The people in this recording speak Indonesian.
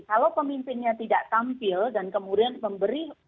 kalau pemimpinnya tidak tampil dan kemudian memberi